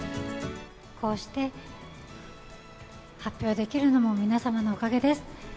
こうして発表できるのも皆様のおかげです。